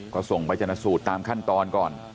ก็ส่งไปจนสูตรตามขั้นตอนก่อน